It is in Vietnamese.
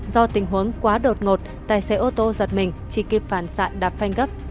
do tình huống quá đột ngột tài xế ô tô giật mình chỉ kịp phản xạ đạp phanh gấp